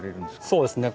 そうですね。